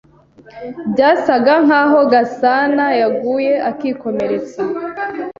Byasaga nkaho Gasanayaguye akikomeretsa.